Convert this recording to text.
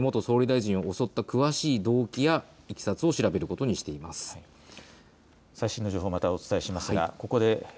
警察は今後、安倍元総理大臣を襲った詳しい動機やいきさつを調べることにしています。